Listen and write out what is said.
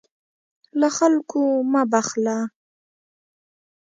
له خلکو مه بخله.